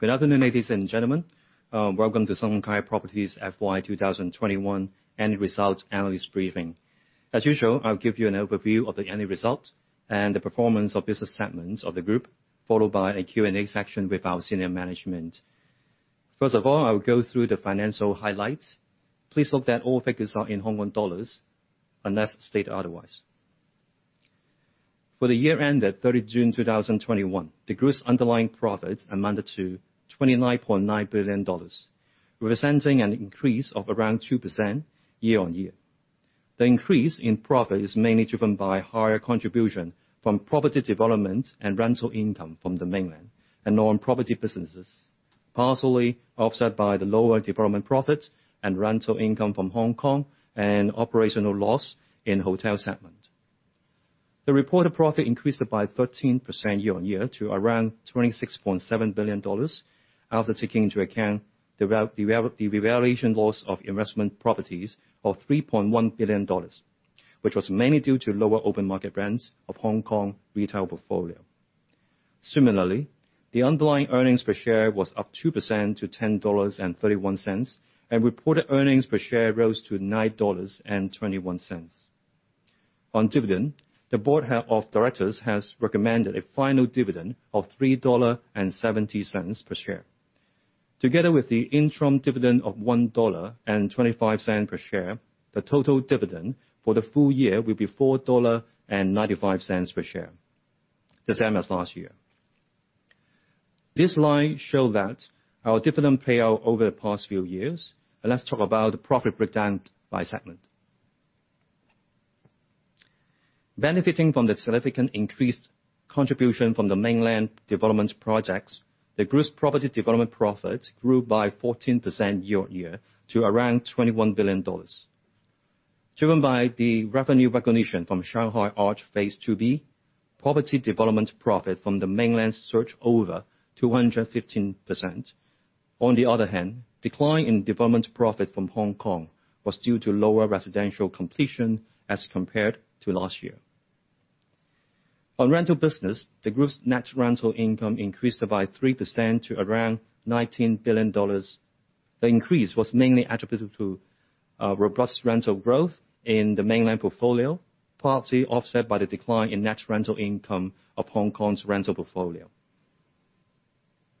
Good afternoon, ladies and gentlemen. Welcome to Sun Hung Kai Properties FY 2021 annual result analyst briefing. As usual, I'll give you an overview of the annual result and the performance of business segments of the group, followed by a Q&A session with our senior management. First of all, I will go through the financial highlights. Please note that all figures are in Hong Kong dollars unless stated otherwise. For the year ended 30 June 2021, the group's underlying profit amounted to 29.9 billion dollars, representing an increase of around 2% year-on-year. The increase in profit is mainly driven by higher contribution from property development and rental income from the mainland and non-property businesses, partially offset by the lower development profit and rental income from Hong Kong and operational loss in hotel segment. The reported profit increased by 13% year-on-year to around 26.7 billion dollars, after taking into account the revaluation loss of investment properties of 3.1 billion dollars, which was mainly due to lower open market rents of Hong Kong retail portfolio. Similarly, the underlying earnings per share was up 2% to HKD 10.31, and reported earnings per share rose to 9.21 dollars. On dividend, the board of directors has recommended a final dividend of HKD 3.70 per share. Together with the interim dividend of HKD 1.25 per share, the total dividend for the full year will be 4.95 dollars per share, the same as last year. This slide shows our dividend payout over the past few years. Let's talk about the profit breakdown by segment. Benefiting from the significant increased contribution from the mainland developments projects, the group's property development profit grew by 14% year-on-year to around HKD 21 billion. Driven by the revenue recognition from Shanghai Arch Phase IIB, property development profit from the mainland surged over 215%. Decline in development profit from Hong Kong was due to lower residential completion as compared to last year. On rental business, the group's net rental income increased by 3% to around 19 billion dollars. The increase was mainly attributable to robust rental growth in the mainland portfolio, partly offset by the decline in net rental income of Hong Kong's rental portfolio.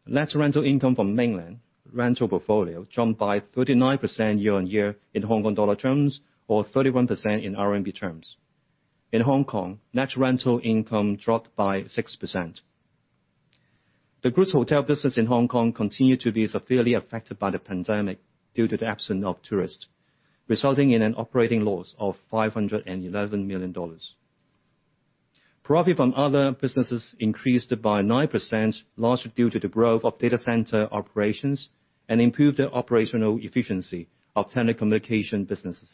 Net rental income from mainland rental portfolio jumped by 39% year-on-year in HKD terms, or 31% in RMB terms. In Hong Kong, net rental income dropped by 6%. The group's hotel business in Hong Kong continued to be severely affected by the pandemic due to the absence of tourists, resulting in an operating loss of 511 million dollars. Profit from other businesses increased by 9%, largely due to the growth of data center operations and improved the operational efficiency of telecommunication businesses.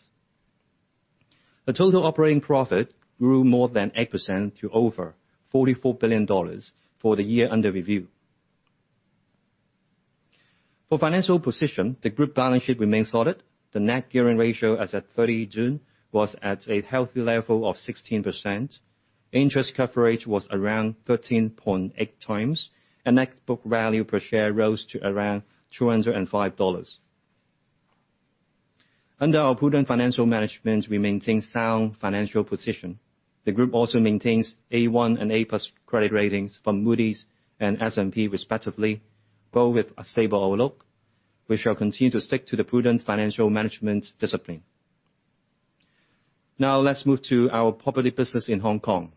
The total operating profit grew more than 8% to over 44 billion dollars for the year under review. For financial position, the group balance sheet remains solid. The net gearing ratio as of 30 June was at a healthy level of 16%. Interest coverage was around 13.8x, and net book value per share rose to around HKD 205. Under our prudent financial management, we maintain sound financial position. The group also maintains A1 and A+ credit ratings from Moody's and S&P respectively, both with a stable outlook. We shall continue to stick to the prudent financial management discipline. Now, let's move to our property business in Hong Kong.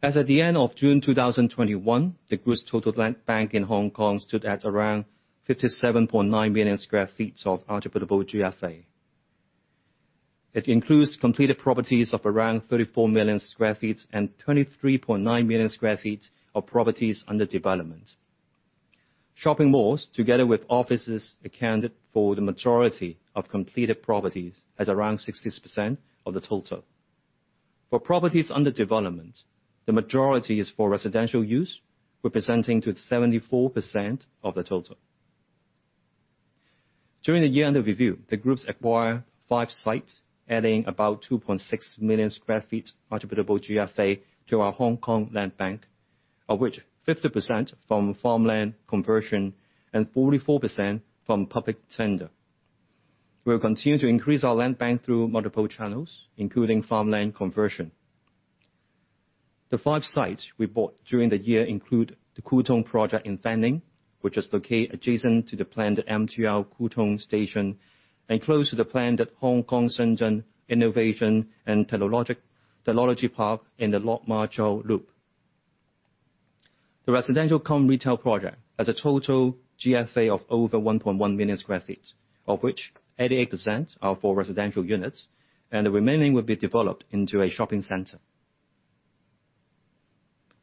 As at the end of June 2021, the group's total land bank in Hong Kong stood at around 57.9 million square feet of attributable GFA. It includes completed properties of around 34 million square feet and 23.9 million square feet of properties under development. Shopping malls, together with offices, accounted for the majority of completed properties at around 60% of the total. For properties under development, the majority is for residential use, representing to 74% of the total. During the year under review, the groups acquire five sites, adding about 2.6 million square feet attributable GFA to our Hong Kong land bank, of which 50% from farmland conversion and 44% from public tender. We will continue to increase our land bank through multiple channels, including farmland conversion. The 5 sites we bought during the year include the Kwu Tung project in Fanling, which is located adjacent to the planned MTR Kwu Tung station and close to the planned Hong Kong Shenzhen Innovation and Technology Park in the Lok Ma Chau loop. The residential cum retail project has a total GFA of over 1.1 million sq ft, of which 88% are for residential units, and the remaining will be developed into a shopping center.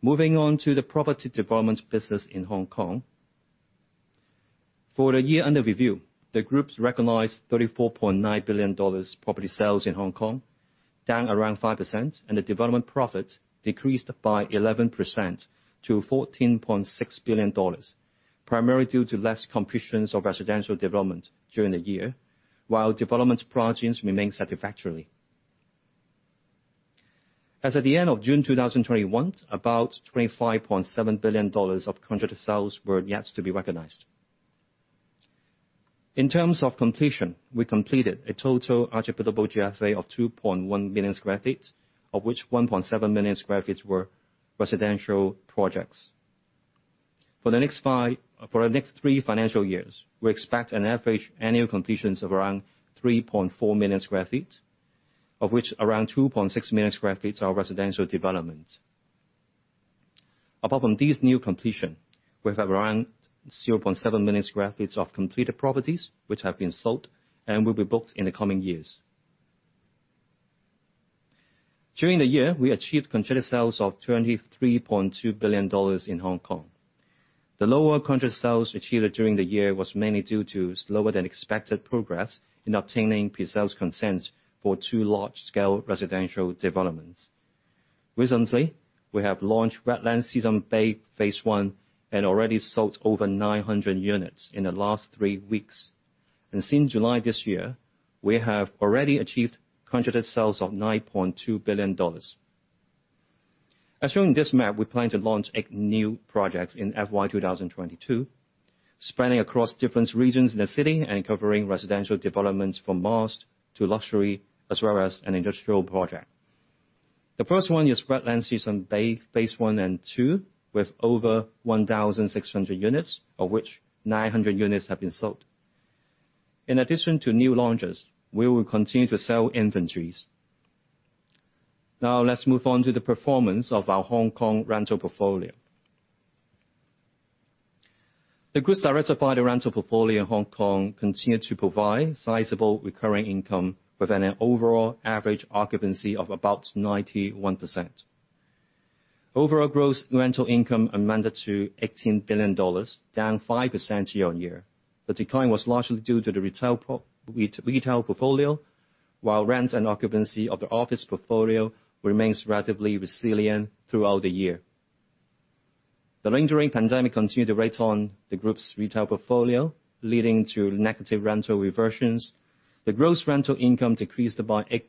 Moving on to the property development business in Hong Kong. For the year under review, the groups recognized 34.9 billion dollars property sales in Hong Kong, down around 5%, and the development profit decreased by 11% to HKD 14.6 billion, primarily due to less completions of residential development during the year, while development projects remain satisfactory. As of the end of June 2021, about HKD 25.7 billion of contracted sales were yet to be recognized. In terms of completion, we completed a total attributable GFA of 2.1 million sq ft, of which 1.7 million sq ft were residential projects. For the next three financial years, we expect an average annual completions of around 3.4 million sq ft, of which around 2.6 million sq ft are residential developments. Apart from this new completion, we have around 0.7 million sq ft of completed properties, which have been sold and will be booked in the coming years. During the year, we achieved contracted sales of 23.2 billion dollars in Hong Kong. The lower contracted sales achieved during the year was mainly due to slower than expected progress in obtaining pre-sales consent for two large-scale residential developments. Recently, we have launched Wetland Seasons Bay phase I, and already sold over 900 units in the last three weeks. Since July this year, we have already achieved contracted sales of HKD 9.2 billion. As shown in this map, we plan to launch eight new projects in FY 2022, spreading across different regions in the city and covering residential developments from mass to luxury, as well as an industrial project. The first one is Wetland Seasons Bay phase I and II, with over 1,600 units, of which 900 units have been sold. In addition to new launches, we will continue to sell inventories. Now, let's move on to the performance of our Hong Kong rental portfolio. The group's diversified rental portfolio in Hong Kong continued to provide sizable recurring income with an overall average occupancy of about 91%. Overall gross rental income amounted to 18 billion dollars, down 5% year-on-year. The decline was largely due to the retail portfolio, while rents and occupancy of the office portfolio remain relatively resilient throughout the year. The lingering pandemic continued to weigh on the group's retail portfolio, leading to negative rental reversions. The gross rental income decreased by 8%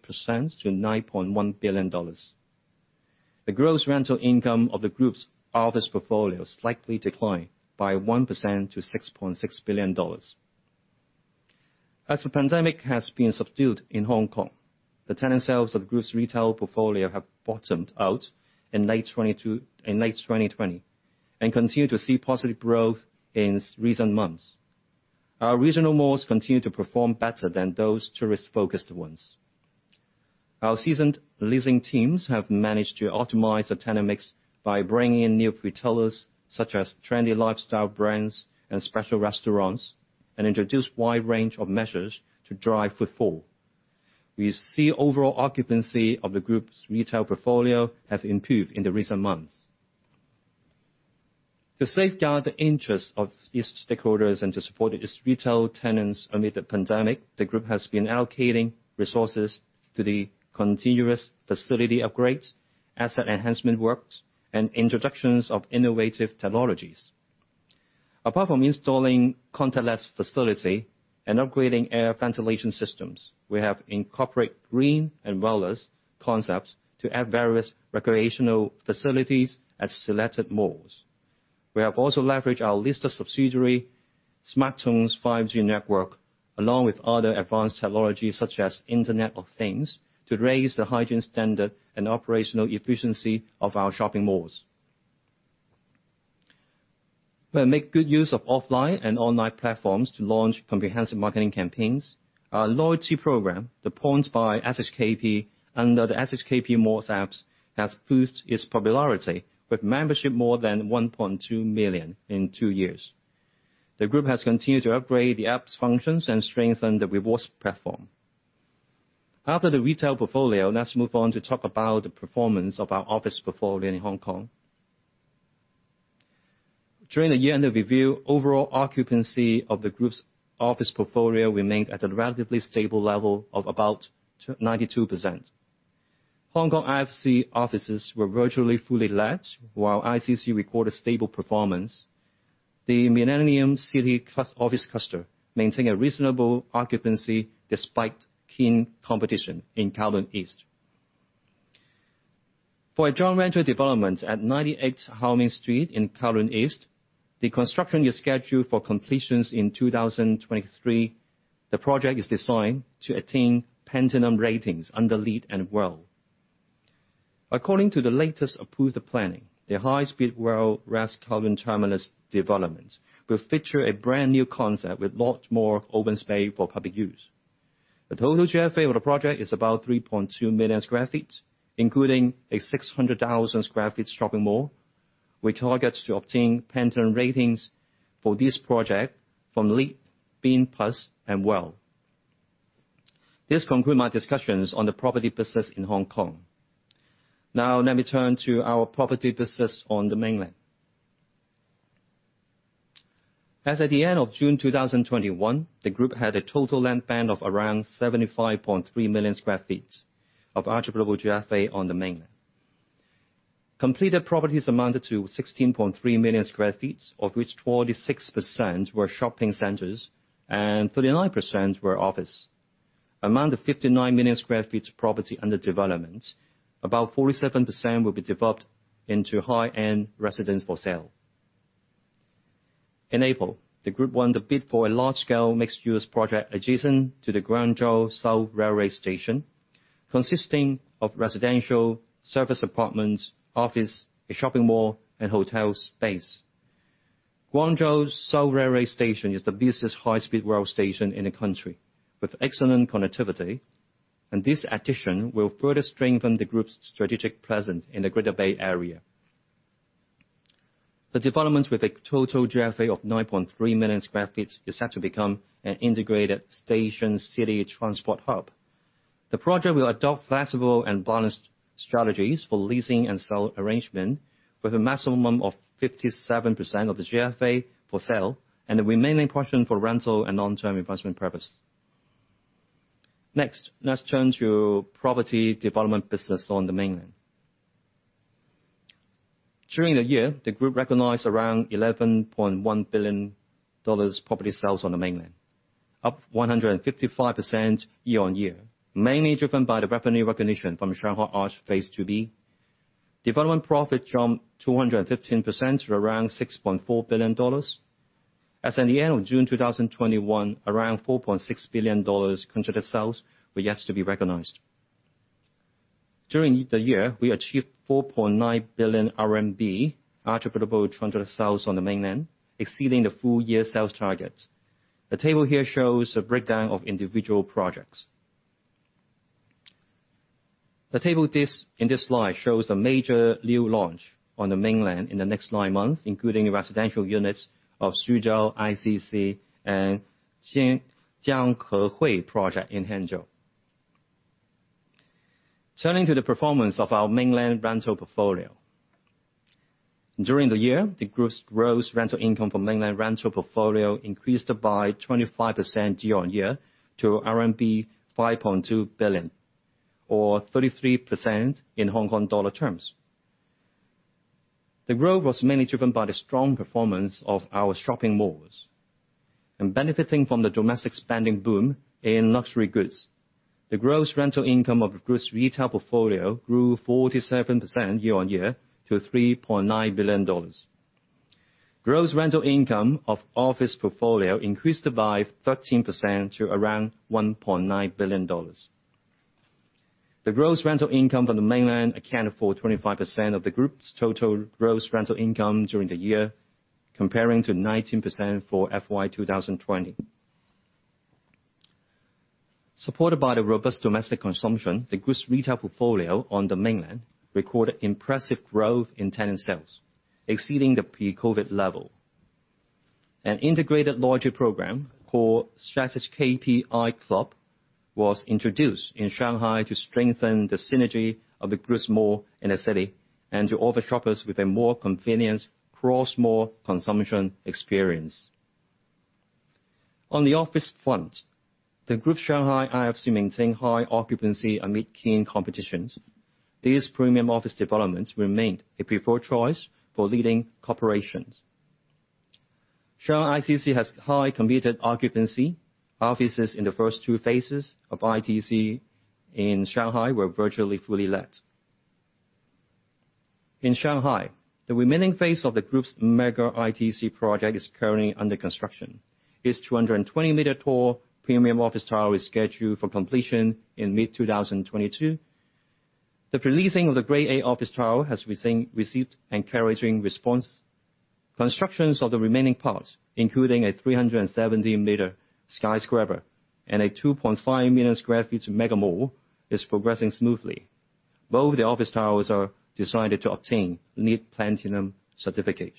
to 9.1 billion dollars. The gross rental income of the group's office portfolio slightly declined by 1% to 6.6 billion dollars. As the pandemic has been subdued in Hong Kong, the tenant sales of the group's retail portfolio have bottomed out in late 2020 and continue to see positive growth in recent months. Our regional malls continue to perform better than those tourist-focused ones. Our seasoned leasing teams have managed to optimize the tenant mix by bringing in new retailers such as trendy lifestyle brands and special restaurants, and introducing a wide range of measures to drive footfall. We see overall occupancy of the group's retail portfolio have improved in the recent months. To safeguard the interests of its stakeholders and to support its retail tenants amid the pandemic, the group has been allocating resources to the continuous facility upgrades, asset enhancement works, and introductions of innovative technologies. Apart from installing contactless facility and upgrading air ventilation systems, we have incorporate green and wellness concepts to add various recreational facilities at selected malls. We have also leveraged our listed subsidiary, SmarTone's 5G network, along with other advanced technologies such as Internet of Things, to raise the hygiene standard and operational efficiency of our shopping malls. We make good use of offline and online platforms to launch comprehensive marketing campaigns. Our loyalty program, The Point by SHKP, under the SHKP malls apps, has boosted its popularity, with membership more than 1.2 million in two years. The group has continued to upgrade the app's functions and strengthen the rewards platform. After the retail portfolio, let's move on to talk about the performance of our office portfolio in Hong Kong. During the year under review, overall occupancy of the group's office portfolio remained at a relatively stable level of about 92%. Hong Kong IFC offices were virtually fully let, while ICC recorded stable performance. The Millennium office cluster maintained a reasonable occupancy despite keen competition in Kowloon East. For our joint venture development at 98 How Ming Street in Kowloon East, the construction is scheduled for completions in 2023. The project is designed to attain platinum ratings under LEED and WELL. According to the latest approved planning, the high-speed rail West Kowloon Terminus development will feature a brand-new concept with lot more open space for public use. The total GFA of the project is about 3.2 million sq ft, including a 600,000 sq ft shopping mall. We target to obtain platinum ratings for this project from LEED, BEAM Plus, and WELL. This conclude my discussions on the property business in Hong Kong. Let me turn to our property business on the mainland. As at the end of June 2021, the group had a total land bank of around 75.3 million sq ft of attributable GFA on the mainland. Completed properties amounted to 16.3 million sq ft, of which 46% were shopping centers and 39% were office. Among the 59 million sq ft of property under development, about 47% will be developed into high-end residence for sale. In April, the group won the bid for a large-scale mixed-use project adjacent to the Guangzhou South Railway Station, consisting of residential, service apartments, office, a shopping mall, and hotel space. Guangzhou South Railway Station is the busiest high-speed rail station in the country, with excellent connectivity. This addition will further strengthen the group's strategic presence in the Greater Bay Area. The developments with a total GFA of 9.3 million sq ft is set to become an integrated station city transport hub. The project will adopt flexible and balanced strategies for leasing and sell arrangement with a maximum of 57% of the GFA for sale, and the remaining portion for rental and long-term investment purpose. Next, let's turn to property development business on the Mainland. During the year, the group recognized around HKD 11.1 billion property sales on the mainland, up 155% year-on-year, mainly driven by the revenue recognition from Shanghai Arch Phase IIB. Development profit jumped 215% to around HKD 6.4 billion. As at the end of June 2021, around HKD 4.6 billion contract sales were yet to be recognized. During the year, we achieved 4.9 billion RMB attributable contract sales on the mainland, exceeding the full year sales target. The table here shows a breakdown of individual projects. The table in this slide shows the major new launch on the mainland in the next nine months, including residential units of Suzhou ICC and Jianghehui project in Hangzhou. Turning to the performance of our mainland rental portfolio. During the year, the group's gross rental income from mainland rental portfolio increased by 25% year-on-year to RMB 5.2 billion, or 33% in HKD terms. Benefiting from the domestic spending boom in luxury goods, the gross rental income of group's retail portfolio grew 47% year-on-year to HKD 3.9 billion. Gross rental income of office portfolio increased by 13% to around 1.9 billion dollars. The gross rental income from the mainland accounted for 25% of the group's total gross rental income during the year, comparing to 19% for FY 2020. Supported by the robust domestic consumption, the group's retail portfolio on the mainland recorded impressive growth in tenant sales, exceeding the pre-COVID level. An integrated loyalty program called SHKP Club was introduced in Shanghai to strengthen the synergy of the group's mall in the city and to offer shoppers with a more convenient cross-mall consumption experience. On the office front, the group Shanghai IFC maintain high occupancy amid keen competitions. These premium office developments remained a preferred choice for leading corporations. Shanghai ICC has high committed occupancy. Offices in the first two phases of ITC in Shanghai were virtually fully let. In Shanghai, the remaining phase of the group's mega ITC project is currently under construction. Its 220-meter tall premium office tower is scheduled for completion in mid-2022. The pre-leasing of the Grade A office tower has received encouraging response. Constructions of the remaining parts, including a 317-meter skyscraper and a 2.5 million sq ft mega mall, is progressing smoothly. Both the office towers are designed to obtain LEED Platinum certificate.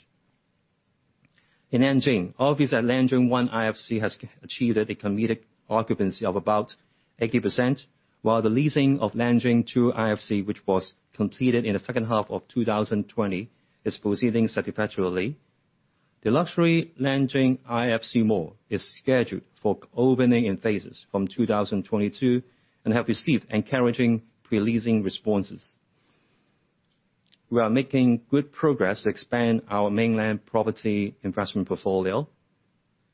In Nanjing, offices at Nanjing One IFC has achieved a committed occupancy of about 80%, while the leasing of Nanjing Two IFC, which was completed in the second half of 2020, is proceeding satisfactorily. The luxury Nanjing IFC Mall is scheduled for opening in phases from 2022 and have received encouraging pre-leasing responses. We are making good progress to expand our mainland property investment portfolio.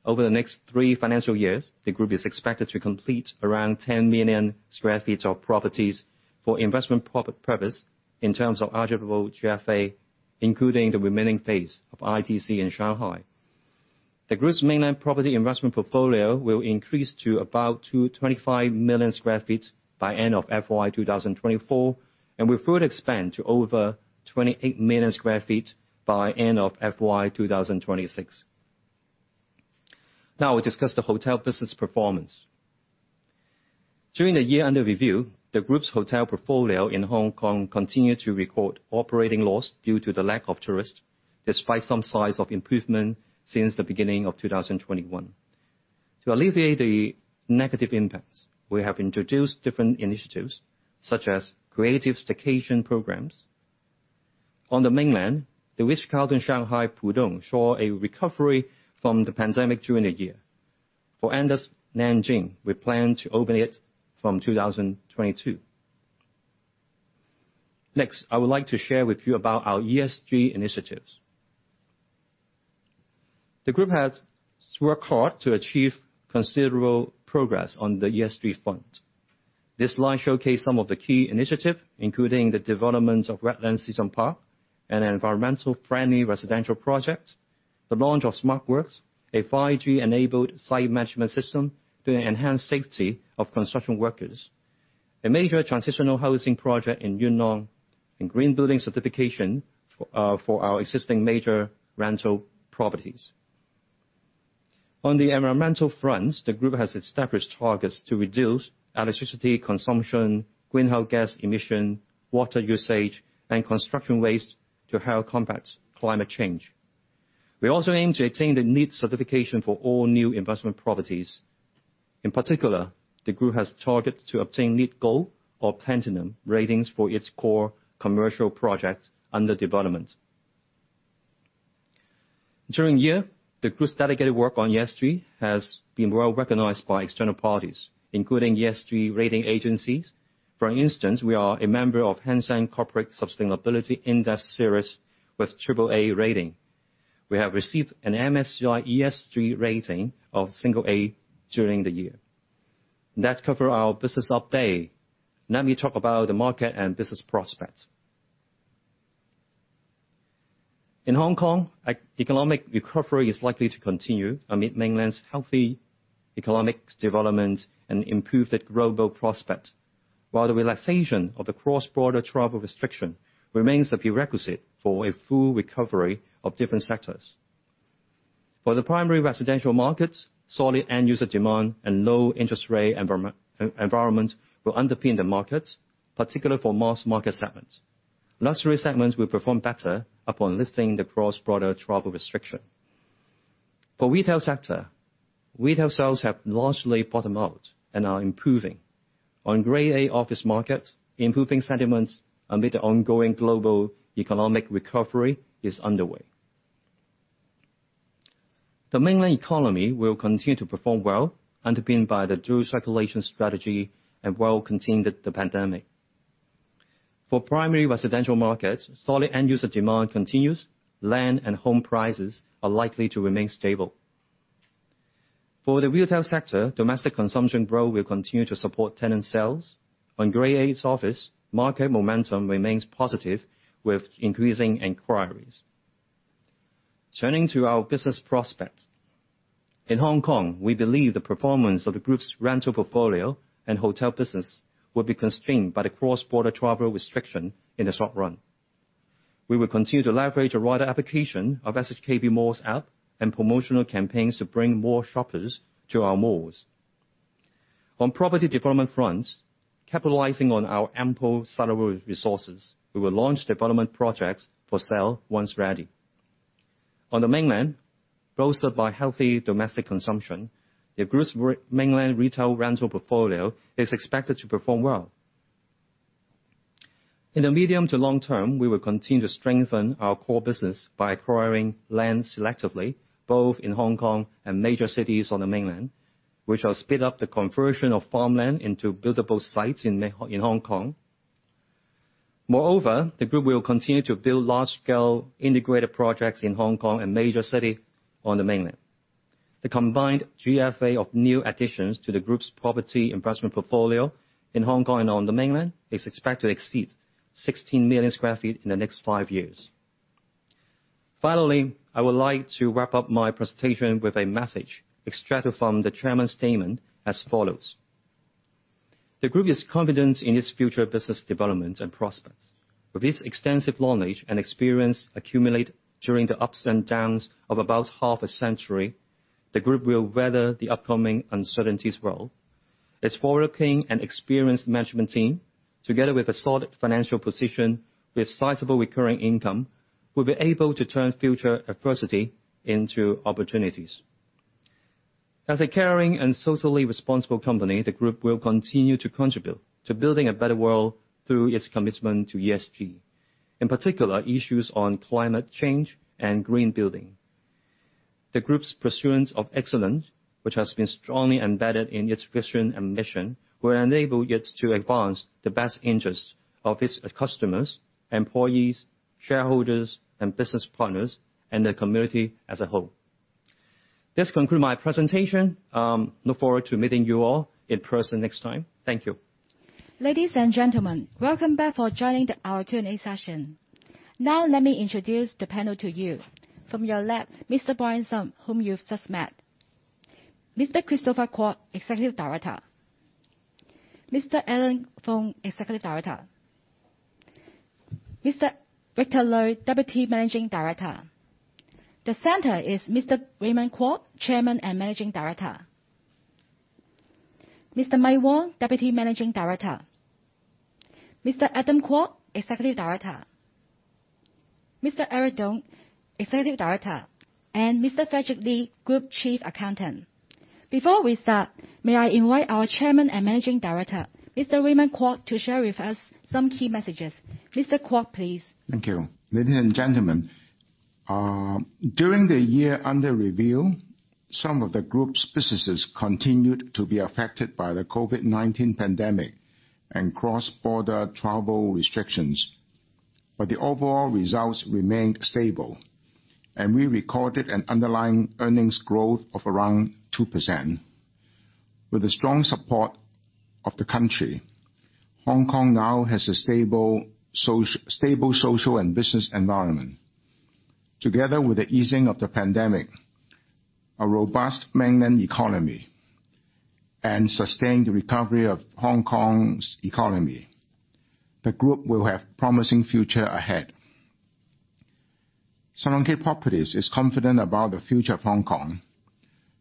Over the next three financial years, the group is expected to complete around 10 million sq ft of properties for investment purpose in terms of attributable GFA, including the remaining phase of ITC in Shanghai. The group's mainland property investment portfolio will increase to about 225 million sq ft by end of FY 2024, and will further expand to over 28 million sq ft by end of FY 2026. We discuss the hotel business performance. During the year under review, the group's hotel portfolio in Hong Kong continued to record operating loss due to the lack of tourists, despite some signs of improvement since the beginning of 2021. To alleviate the negative impacts, we have introduced different initiatives, such as creative staycation programs. On the mainland, The Ritz-Carlton Shanghai, Pudong saw a recovery from the pandemic during the year. For Andaz Nanjing Hexi, we plan to open it from 2022. I would like to share with you about our ESG initiatives. The group has worked hard to achieve considerable progress on the ESG front. This slide showcase some of the key initiatives, including the development of Wetland Seasons Park and an environmental-friendly residential project. The launch of SmartWorks, a 5G-enabled site management system to enhance safety of construction workers. A major transitional housing project in Yuen Long, and green building certification for our existing major rental properties. On the environmental front, the group has established targets to reduce electricity consumption, greenhouse gas emission, water usage, and construction waste to help combat climate change. We also aim to attain the LEED certification for all new investment properties. In particular, the group has targeted to obtain LEED Gold or Platinum ratings for its core commercial projects under development. During the year, the group's dedicated work on ESG has been well-recognized by external parties, including ESG rating agencies. For instance, we are a member of Hang Seng Corporate Sustainability Index Series with AAA rating. We have received an MSCI ESG rating of A during the year. That cover our business update. Let me talk about the market and business prospects. In Hong Kong, economic recovery is likely to continue amid mainland's healthy economic development and improved global prospect, while the relaxation of the cross-border travel restriction remains the prerequisite for a full recovery of different sectors. For the primary residential markets, solid end-user demand and low interest rate environment will underpin the market, particularly for most market segments. Luxury segments will perform better upon lifting the cross-border travel restriction. For retail sector, retail sales have largely bottomed out and are improving. On Grade A office market, improving sentiments amid the ongoing global economic recovery is underway. The mainland economy will continue to perform well, underpinned by the dual circulation strategy and well-contained the pandemic. For primary residential markets, solid end-user demand continues. Land and home prices are likely to remain stable. For the retail sector, domestic consumption growth will continue to support tenant sales. On Grade A office, market momentum remains positive, with increasing inquiries. Turning to our business prospects. In Hong Kong, we believe the performance of the group's rental portfolio and hotel business will be constrained by the cross-border travel restriction in the short run. We will continue to leverage a wider application of SHKP Malls app and promotional campaigns to bring more shoppers to our malls. On property development fronts, capitalizing on our ample resources, we will launch development projects for sale once ready. On the mainland, boosted by healthy domestic consumption, the group's mainland retail rental portfolio is expected to perform well. In the medium to long term, we will continue to strengthen our core business by acquiring land selectively, both in Hong Kong and major cities on the mainland. We shall speed up the conversion of farmland into buildable sites in Hong Kong. Moreover, the group will continue to build large-scale integrated projects in Hong Kong and major city on the Mainland. The combined GFA of new additions to the group's property investment portfolio in Hong Kong and on the Mainland is expected to exceed 16 million sq ft in the next five years. Finally, I would like to wrap up my presentation with a message extracted from the chairman's statement as follows. The group is confident in its future business development and prospects. With its extensive knowledge and experience accumulated during the ups and downs of about half a century, the group will weather the upcoming uncertainties well. Its forward-looking and experienced management team, together with a solid financial position with sizable recurring income, will be able to turn future adversity into opportunities. As a caring and socially responsible company, the group will continue to contribute to building a better world through its commitment to ESG. In particular, issues on climate change and green building. The group's pursuance of excellence, which has been strongly embedded in its vision and mission, will enable it to advance the best interests of its customers, employees, shareholders, and business partners, and the community as a whole. This concludes my presentation. I look forward to meeting you all in person next time. Thank you. Ladies and gentlemen, welcome back for joining our Q&A session. Now, let me introduce the panel to you. From your left, Mr. Brian Sum, whom you've just met. Mr. Christopher Kwok Kai-wang, Executive Director. Mr. Allen Fung Yuk-lun, Executive Director. Mr. Victor Lui Ting, Deputy Managing Director. The center is Mr. Raymond Kwok, Chairman and Managing Director. Mr. Mike Wong Chik-wing, Deputy Managing Director. Mr. Adam Kwok Kai-fai, Executive Director. Mr. Eric Tung Chi-ho, Executive Director, and Mr. Frederick Li Ching-kam, Group Chief Accountant. Before we start, may I invite our Chairman and Managing Director, Mr. Raymond Kwok, to share with us some key messages. Mr. Kwok, please. Thank you. Ladies and gentlemen. During the year under review, some of the group's businesses continued to be affected by the COVID-19 pandemic and cross-border travel restrictions. The overall results remained stable, and we recorded an underlying earnings growth of around 2%. With the strong support of the country, Hong Kong now has a stable social and business environment. Together with the easing of the pandemic, a robust mainland economy, and sustained recovery of Hong Kong's economy, the group will have promising future ahead. Sun Hung Kai Properties is confident about the future of Hong Kong.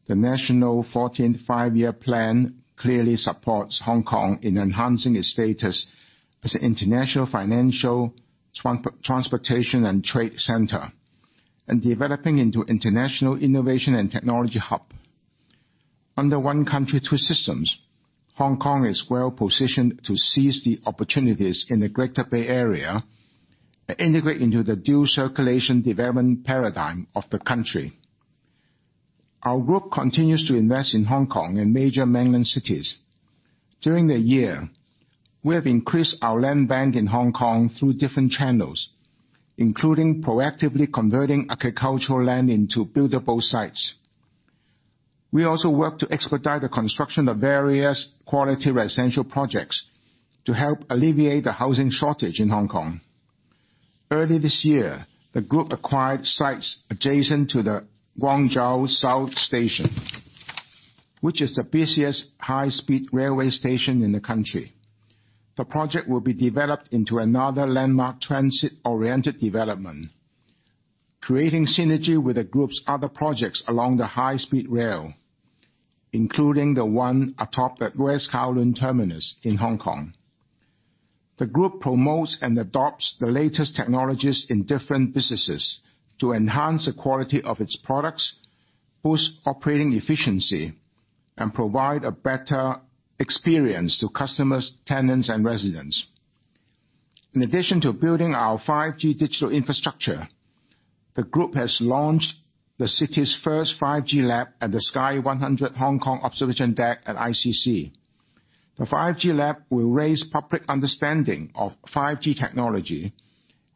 The National 14th Five-Year Plan clearly supports Hong Kong in enhancing its status as an international financial transportation and trade center and developing into international innovation and technology hub. Under one country, two systems, Hong Kong is well positioned to seize the opportunities in the Greater Bay Area and integrate into the dual circulation development paradigm of the country. Our group continues to invest in Hong Kong and major mainland cities. During the year, we have increased our land bank in Hong Kong through different channels, including proactively converting agricultural land into buildable sites. We also work to expedite the construction of various quality residential projects to help alleviate the housing shortage in Hong Kong. Early this year, the group acquired sites adjacent to the Guangzhou South Station, which is the busiest high-speed railway station in the country. The project will be developed into another landmark transit-oriented development, creating synergy with the group's other projects along the high-speed rail, including the one atop the West Kowloon Terminus in Hong Kong. The group promotes and adopts the latest technologies in different businesses to enhance the quality of its products, boost operating efficiency, and provide a better experience to customers, tenants, and residents. In addition to building our 5G digital infrastructure, the group has launched the city's first 5G lab at the Sky100 Hong Kong Observation Deck at ICC. The 5G lab will raise public understanding of 5G technology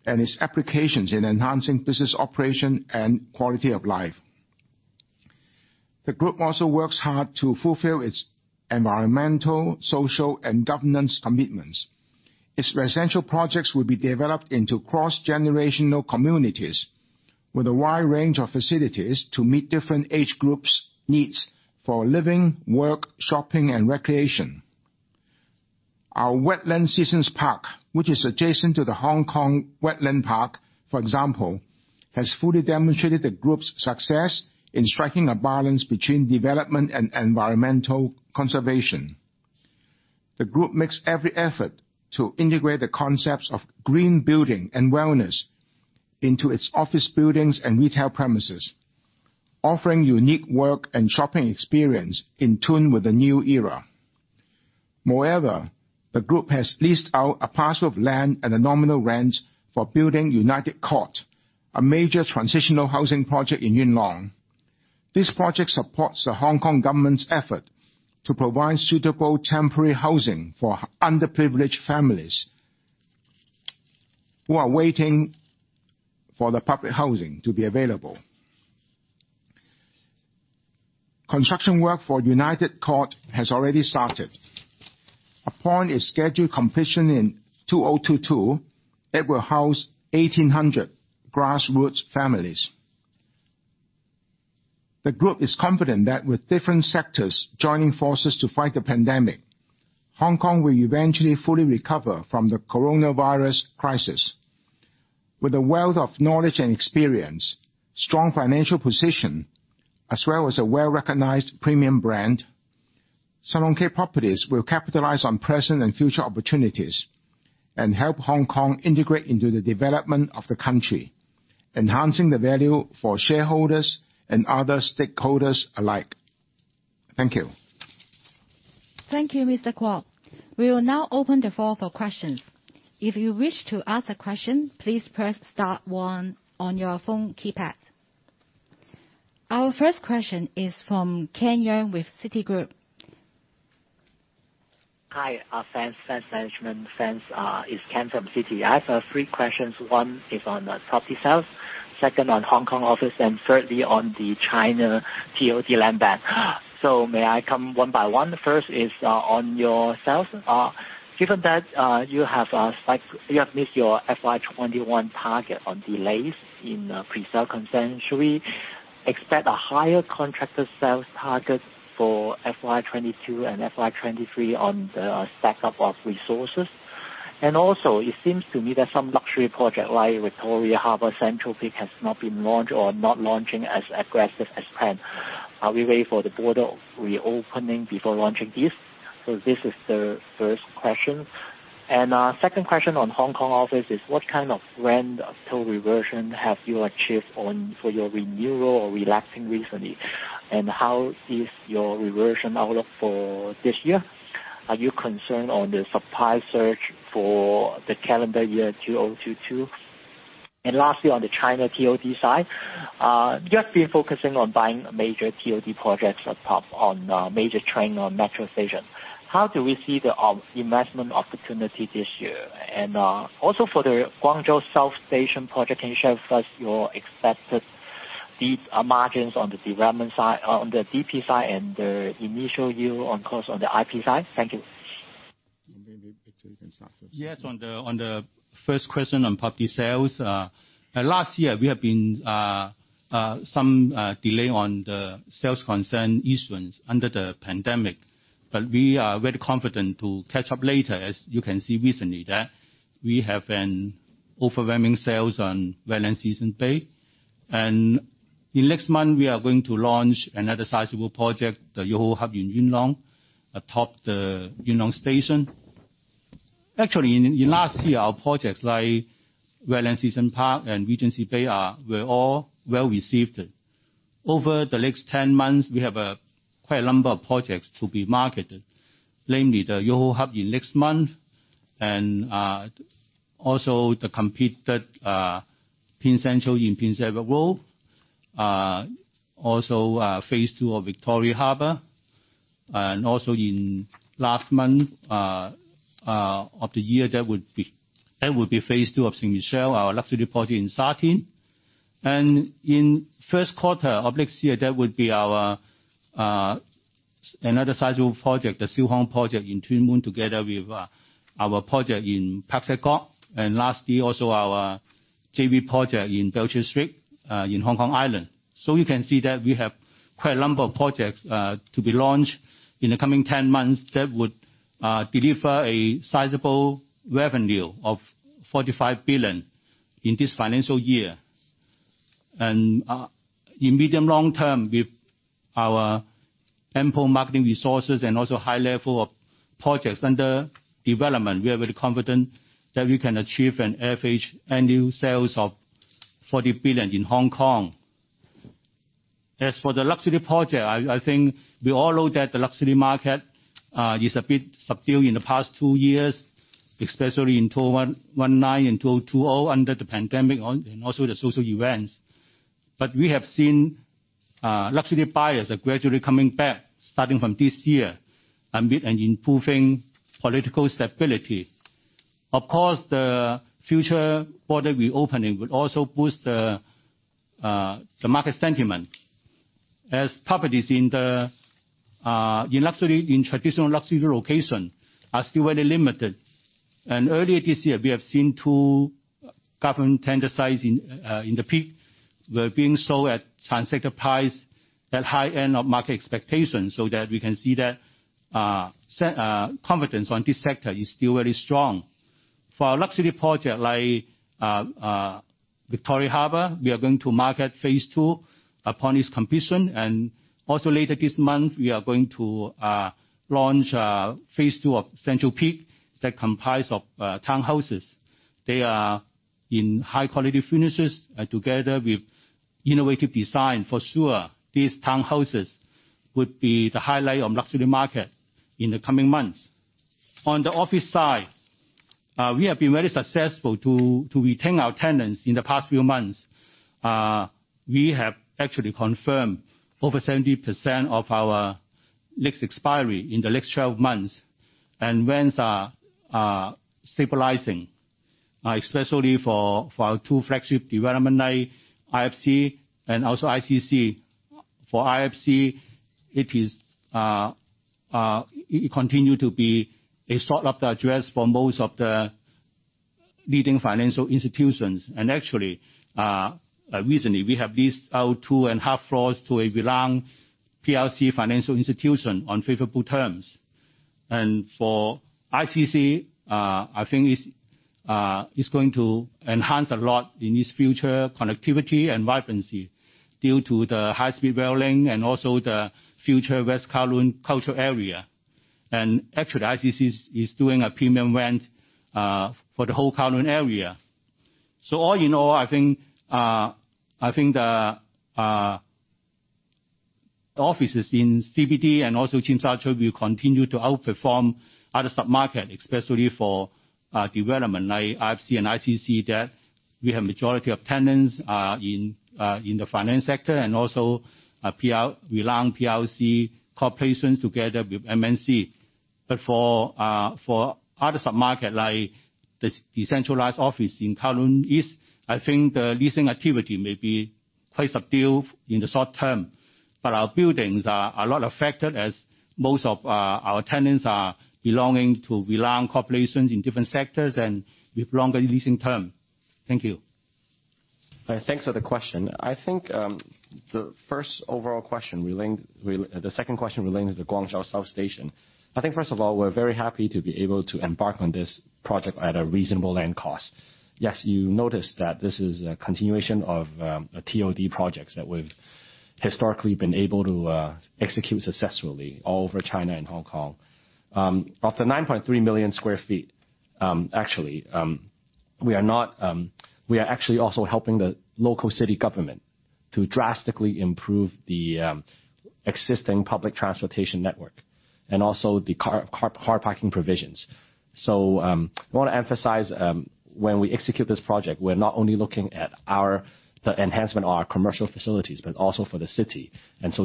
and its applications in enhancing business operation and quality of life. The group also works hard to fulfill its environmental, social, and governance commitments. Its residential projects will be developed into cross-generational communities with a wide range of facilities to meet different age groups' needs for living, work, shopping, and recreation. Our Wetland Seasons Park, which is adjacent to the Hong Kong Wetland Park, for example, has fully demonstrated the group's success in striking a balance between development and environmental conservation. The group makes every effort to integrate the concepts of green building and wellness into its office buildings and retail premises, offering unique work and shopping experience in tune with the new era. Moreover, the group has leased out a parcel of land at a nominal rent for building United Court, a major transitional housing project in Yuen Long. This project supports the Hong Kong Government's effort to provide suitable temporary housing for underprivileged families who are waiting for the public housing to be available. Construction work for United Court has already started. Upon its scheduled completion in 2022, it will house 1,800 grassroots families. The group is confident that with different sectors joining forces to fight the pandemic, Hong Kong will eventually fully recover from the coronavirus crisis. With a wealth of knowledge and experience, strong financial position, as well as a well-recognized premium brand, Sun Hung Kai Properties will capitalize on present and future opportunities and help Hong Kong integrate into the development of the country, enhancing the value for shareholders and other stakeholders alike. Thank you. Thank you, Mr. Kwok. We will now open the floor for questions. If you wish to ask a question, please press star one on your phone keypad. Our first question is from Ken Yeung with Citigroup. Hi. Thanks Management. Thanks. It's Ken from Citi. I have three questions. One is on property sales, second on Hong Kong office, and thirdly on the China TOD land bank. May I come one by one? First is on your sales. Given that you have missed your FY 2021 target on delays in pre-sale consent, should we expect a higher contracted sales target for FY 2022 and FY 2023 on the stack-up of resources? Also, it seems to me that some luxury project like Victoria Harbour Central Peak has not been launched or not launching as aggressive as planned. Are we waiting for the border reopening before launching this? This is the first question. Second question on Hong Kong office is what kind of rent till reversion have you achieved for your renewal or relapsing recently? How is your reversion outlook for this year? Are you concerned on the supply search for the calendar year 2022? Lastly, on the China TOD side, you have been focusing on buying major TOD projects on major train or metro station. How do we see the investment opportunity this year? Also for the Guangzhou South Station project, can you share with us your expected margins on the development side, on the DP side, and the initial view, on course, on the IP side? Thank you. Maybe Victor can start first. Yes, on the first question on property sales. Last year we have been some delay on the sales concern issuance under the pandemic. We are very confident to catch up later, as you can see recently that we have an overwhelming sales on Wetland Seasons Bay. In next month, we are going to launch another sizable project, The YOHO Hub in Yuen Long, atop the Yuen Long MTR station. Actually, in last year, our projects like Wetland Seasons Park and Regency Bay were all well-received. Over the next 10 months, we have quite a number of projects to be marketed, namely The YOHO Hub in next month, and also the completed Prince Central in Prince Edward Road. Also, phase II of Victoria Harbour, and also in last month of the year, that would be phase II of St. Michel, our luxury project in Sha Tin. In 1st quarter of next year, that would be another sizable project, the Siu Hong project in Tuen Mun, together with our project in Pak Shek Kok. Lastly, also our JV project in Belcher Street in Hong Kong Island. You can see that we have quite a number of projects to be launched in the coming 10 months that would deliver a sizable revenue of 45 billion in this financial year. In medium long term, with our ample marketing resources and also high level of projects under development, we are very confident that we can achieve an average annual sales of 40 billion in Hong Kong. As for the luxury project, I think we all know that the luxury market is a bit subdued in the past two years, especially in 2019 and 2020 under the pandemic and also the social events. We have seen luxury buyers are gradually coming back starting from this year, amid an improving political stability. Of course, the future border reopening will also boost the market sentiment, as properties in traditional luxury location are still very limited. Earlier this year, we have seen two government tender sites in The Peak were being sold at transacted price at high end of market expectations, so that we can see that confidence on this sector is still very strong. For our luxury project like Victoria Harbour, we are going to market phase II upon its completion. Also later this month, we are going to launch phase II of Central Peak that comprise of townhouses. They are in high-quality finishes, together with innovative design. For sure, these townhouses would be the highlight of luxury market in the coming months. On the office side, we have been very successful to retain our tenants in the past few months. We have actually confirmed over 70% of our next expiry in the next 12 months. Rents are stabilizing, especially for our two flagship development like IFC and also ICC. For IFC, it continue to be a sought-after address for most of the leading financial institutions. Actually, recently, we have leased out two and a half floors to a renowned PLC financial institution on favorable terms. For ICC, I think it's going to enhance a lot in its future connectivity and vibrancy due to the high-speed rail link and also the future West Kowloon cultural area. Actually, ICC is doing a premium rent for the whole Kowloon area. All in all, I think the offices in CBD and also Tsim Sha Tsui will continue to outperform other submarket, especially for development like IFC and ICC, that we have majority of tenants in the finance sector and also renowned PLC corporations together with MNC. For other submarket, like the decentralized office in Kowloon East, I think the leasing activity may be quite subdued in the short term. Our buildings are not affected as most of our tenants are belonging to renowned corporations in different sectors and with longer leasing term. Thank you. Thanks for the question. The second question relating to the Guangzhou South Station, first of all, we're very happy to be able to embark on this project at a reasonable land cost. You noticed that this is a continuation of TOD projects that we've historically been able to execute successfully all over China and Hong Kong. Of the 9.3 million sq ft, we are actually also helping the local city government to drastically improve the existing public transportation network and also the car parking provisions. I want to emphasize, when we execute this project, we're not only looking at the enhancement of our commercial facilities, but also for the city.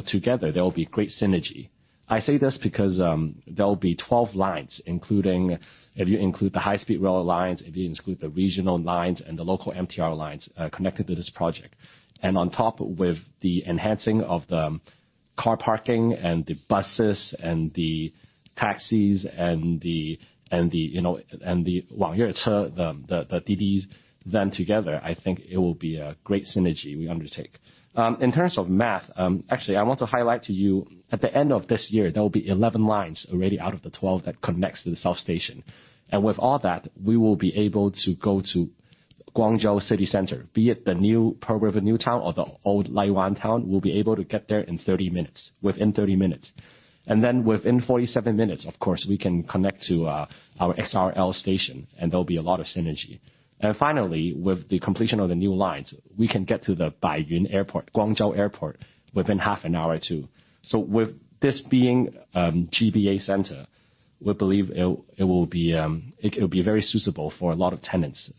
Together, there will be great synergy. I say this because there will be 12 lines, if you include the high-speed rail lines, if you include the regional lines and the local MTR lines connected to this project. On top with the enhancing of the car parking and the buses and the taxis and the DiDis, together, I think it will be a great synergy we undertake. In terms of math, actually, I want to highlight to you, at the end of this year, there will be 11 lines already out of the 12 that connects to the south station. With all that, we will be able to go to Guangzhou City Center, be it the new Pearl River New Town or the old Liwan Town, we'll be able to get there within 30 minutes. Within 47 minutes, of course, we can connect to our XRL station and there'll be a lot of synergy. With the completion of the new lines, we can get to the Baiyun Airport, Guangzhou Airport within half an hour too. With this being GBA Center, we believe it'll be very suitable for a lot of tenants.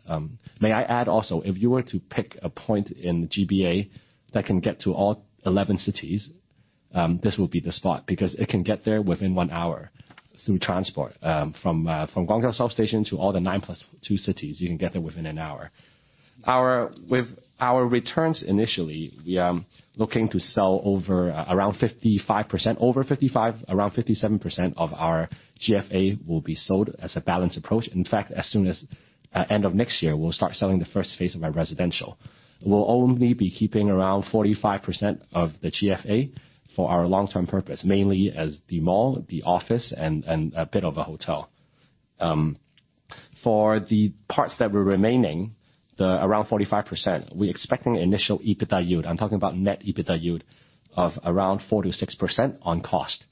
May I add also, if you were to pick a point in GBA that can get to all 11 cities, this will be the spot because it can get there within one hour through transport. From Guangzhou south station to all the nine plus two cities, you can get there within an hour. With our returns initially, we are looking to sell around 55%, over 55%, around 57% of our GFA will be sold as a balanced approach. In fact, as soon as end of next year, we will start selling the first phase of our residential. We will only be keeping around 45% of the GFA for our long-term purpose, mainly as the mall, the office, and a bit of a hotel. For the parts that were remaining, the around 45%, we are expecting initial EBITDA yield. I am talking about net EBITDA yield of around 4%-6% on cost.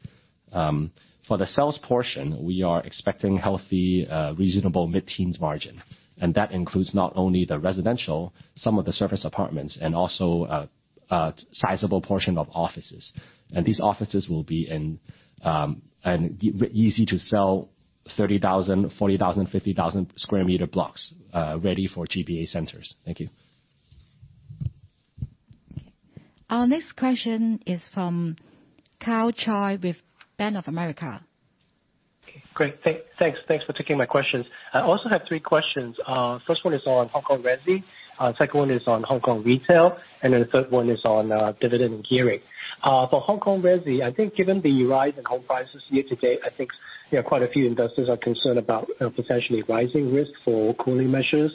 For the sales portion, we are expecting healthy, reasonable mid-teens margin, and that includes not only the residential, some of the surface apartments, and also a sizable portion of offices. These offices will be easy to sell 30,000, 40,000, 50,000 sq m blocks, ready for GBA centers. Thank you. Our next question is from Karl Choi with Bank of America. Great. Thanks for taking my questions. I also have three questions. first one is on Hong Kong resi, second one is on Hong Kong retail, the third one is on dividend and gearing. For Hong Kong resi, I think given the rise in home prices year to date, I think quite a few investors are concerned about potentially rising risk for cooling measures.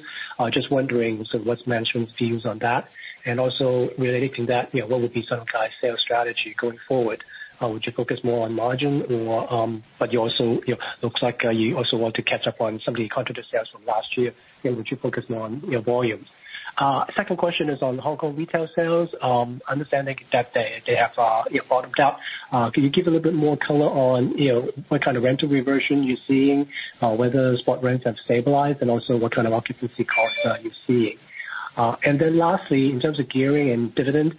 Just wondering, sort of what's management's views on that? Related to that, what would be Sun Hung Kai sales strategy going forward? Would you focus more on margin, but looks like you also want to catch up on some of the contracted sales from last year, would you focus more on volume? Second question is on Hong Kong retail sales. Understanding that they have bottomed out, can you give a little bit more color on what kind of rental reversion you're seeing, whether spot rents have stabilized, and also what kind of occupancy costs are you seeing? Lastly, in terms of gearing and dividend,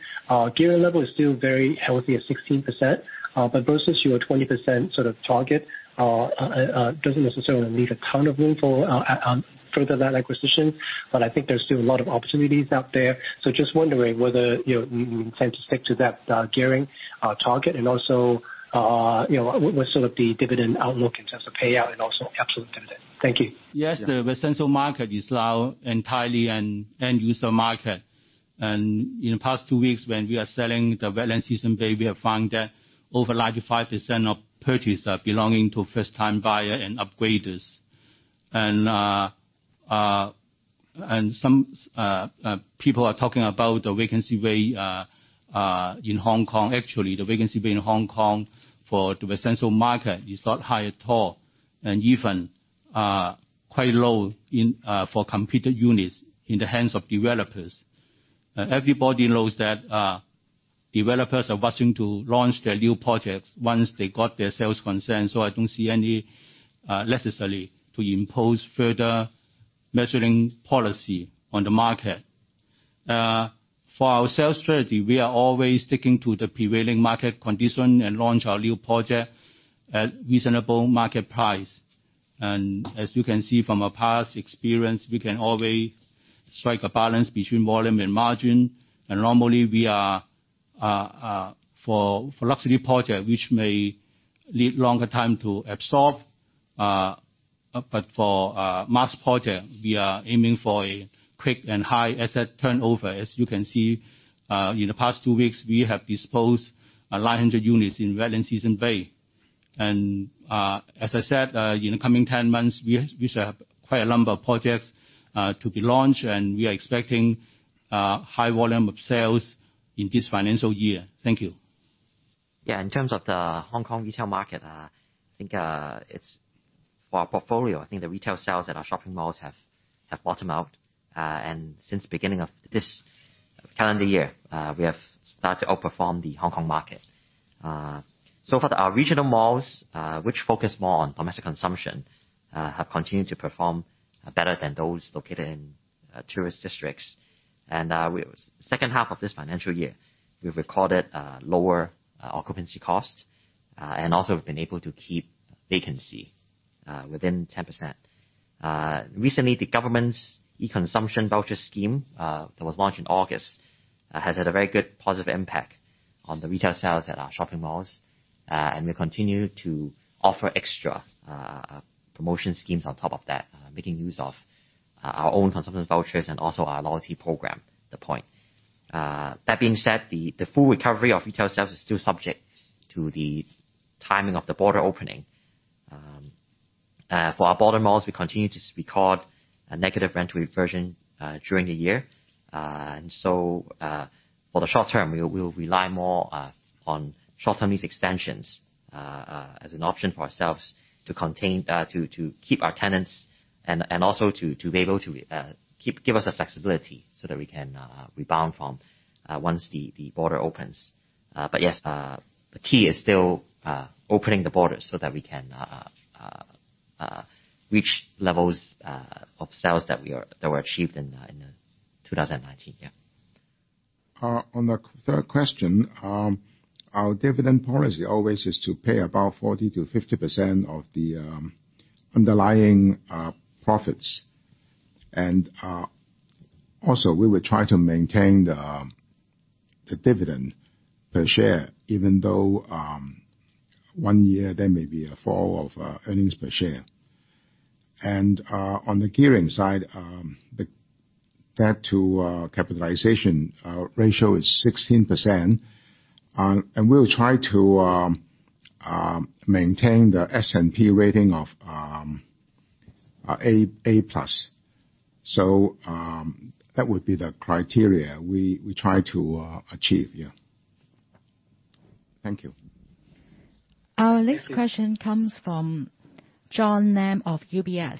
gearing level is still very healthy at 16%, but versus your 20% sort of target, doesn't necessarily leave a ton of room for further land acquisition, but I think there's still a lot of opportunities out there. Just wondering whether you intend to stick to that gearing target and also, what's sort of the dividend outlook in terms of payout and also absolute dividend? Thank you. Yes, the residential market is now entirely an end user market. In the past two weeks when we are selling the Wetlands Season Bay, we have found that over 95% of purchaser belonging to first-time buyer and upgraders. Some people are talking about the vacancy rate in Hong Kong. Actually, the vacancy rate in Hong Kong for the residential market is not high at all, and even quite low for completed units in the hands of developers. Everybody knows that developers are rushing to launch their new projects once they got their sales consent, so I don't see any necessity to impose further measuring policy on the market. For our sales strategy, we are always sticking to the prevailing market condition and launch our new project at reasonable market price. As you can see from our past experience, we can always strike a balance between volume and margin. Normally, for luxury project, which may need longer time to absorb, but for mass project, we are aiming for a quick and high asset turnover. As you can see, in the past two weeks we have disposed 900 units in Wetland Seasons Bay. As I said, in the coming 10 months, we shall have quite a number of projects to be launched, and we are expecting high volume of sales in this financial year. Thank you. Yeah, in terms of the Hong Kong retail market, I think for our portfolio, the retail sales at our shopping malls have bottomed out. Since beginning of this calendar year, we have started to outperform the Hong Kong market. For our regional malls, which focus more on domestic consumption, have continued to perform better than those located in tourist districts. Second half of this financial year, we've recorded lower occupancy costs, and also have been able to keep vacancy within 10%. Recently, the government's e-consumption voucher scheme, that was launched in August, has had a very good positive impact on the retail sales at our shopping malls. We continue to offer extra promotion schemes on top of that, making use of our own consumption vouchers and also our loyalty program, The Point by SHKP. That being said, the full recovery of retail sales is still subject to the timing of the border opening. For our border malls, we continue to record a negative rent reversion during the year. For the short term, we will rely more on short-term lease extensions as an option for ourselves to keep our tenants and also to be able to give us the flexibility so that we can rebound from once the border opens. Yes, the key is still opening the borders so that we can reach levels of sales that were achieved in 2019. Yeah. On the third question, our dividend policy always is to pay about 40% to 50% of the underlying profits. Also, we will try to maintain the dividend per share, even though one year there may be a fall of earnings per share. On the gearing side, the debt to capitalization ratio is 16%, and we'll try to maintain the S&P rating of A+. That would be the criteria we try to achieve. Yeah. Thank you. Our next question comes from John Lam of UBS.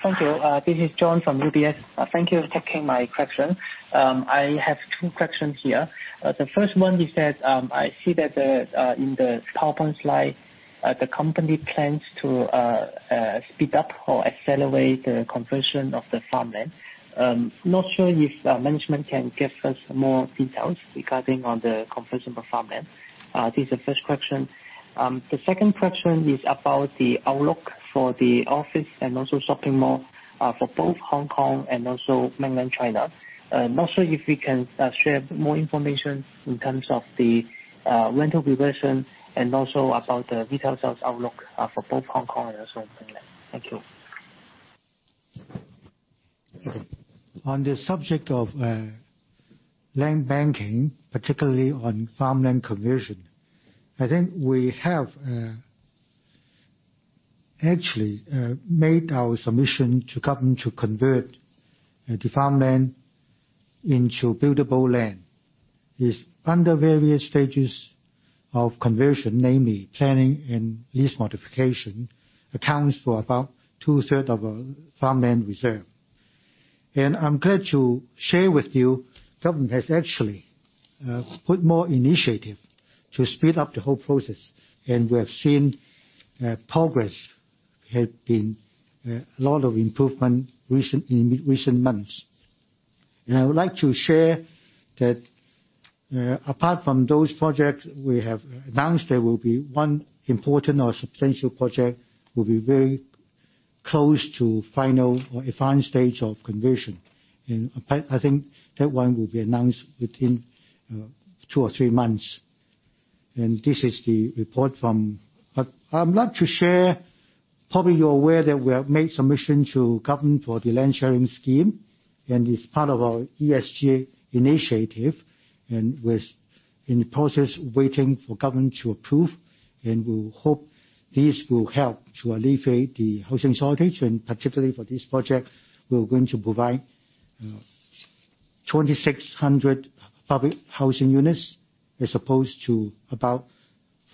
Thank you. This is John from UBS. Thank you for taking my question. I have two questions here. The first one is that I see that in the PowerPoint slide, the company plans to speed up or accelerate the conversion of the farmland. I'm not sure if management can give us more details regarding on the conversion of the farmland. This is the first question. The second question is about the outlook for the office and also shopping mall for both Hong Kong and also mainland China. I'm not sure if you can share more information in terms of the rental reversion and also about the retail sales outlook for both Hong Kong and also mainland. Thank you. On the subject of land banking, particularly on farmland conversion, I think we have actually made our submission to government to convert the farmland into buildable land. It's under various stages of conversion, namely planning and lease modification, accounts for about 2/3 of our farmland reserve. I'm glad to share with you, government has actually put more initiative to speed up the whole process, and we have seen progress, have been a lot of improvement in recent months. I would like to share that apart from those projects, we have announced there will be one important or substantial project will be very close to final or advanced stage of conversion. I think that one will be announced within two or three months. This is the report from but I'd like to share, probably you're aware that we have made submission to government for the Land Sharing Pilot Scheme, and it's part of our ESG initiative, and we're in the process of waiting for government to approve, and we hope this will help to alleviate the housing shortage. Particularly for this project, we're going to provide 2,600 public housing units as opposed to about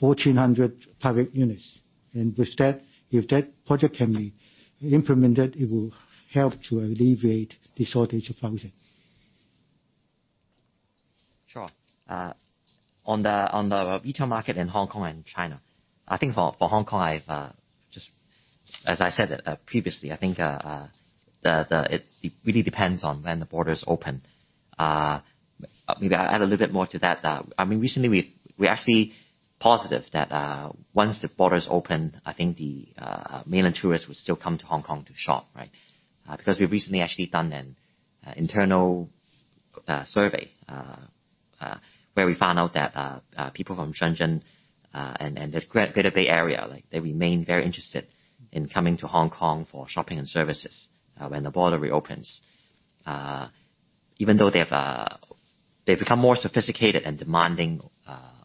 1,400 public units. With that, if that project can be implemented, it will help to alleviate the shortage of housing. Sure. On the retail market in Hong Kong and China, I think for Hong Kong, as I said previously, I think it really depends on when the borders open. Maybe I'll add a little bit more to that. Recently, we're actually positive that once the borders open, I think the Mainland tourists would still come to Hong Kong to shop, right? We've recently actually done an internal survey, where we found out that people from Shenzhen and the Greater Bay Area, they remain very interested in coming to Hong Kong for shopping and services when the border reopens. Even though they've become more sophisticated and demanding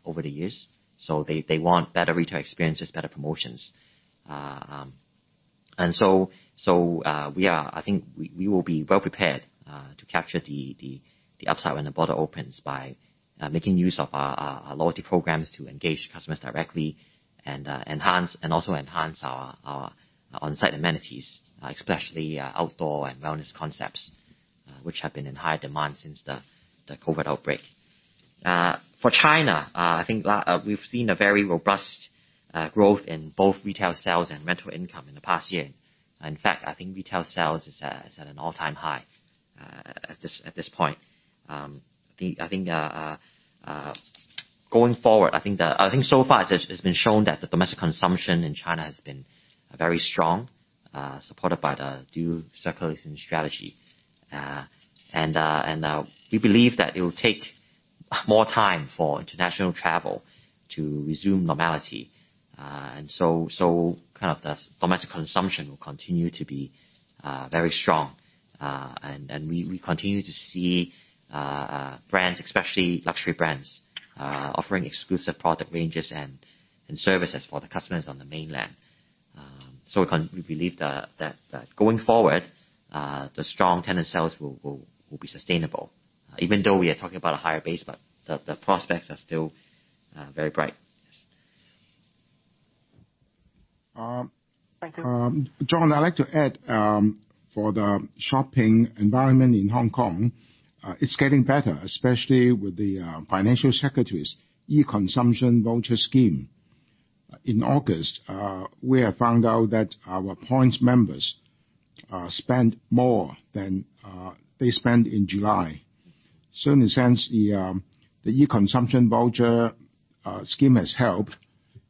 over the years. They want better retail experiences, better promotions. I think we will be well prepared to capture the upside when the border opens by making use of our loyalty programs to engage customers directly and also enhance our on-site amenities, especially outdoor and wellness concepts. Which have been in high demand since the COVID outbreak. For China, I think we've seen a very robust growth in both retail sales and rental income in the past year. In fact, I think retail sales is at an all-time high at this point. Going forward, I think so far it's been shown that the domestic consumption in China has been very strong, supported by the dual circulation strategy. We believe that it will take more time for international travel to resume normality. Kind of the domestic consumption will continue to be very strong. We continue to see brands, especially luxury brands offering exclusive product ranges and services for the customers on the mainland. We believe that going forward, the strong tenant sales will be sustainable even though we are talking about a higher base, but the prospects are still very bright. Thank you. John Lam, I'd like to add, for the shopping environment in Hong Kong, it's getting better, especially with the Financial Secretary's e-consumption voucher scheme. In August, we have found out that our points members spent more than they spent in July. The e-consumption voucher scheme has helped.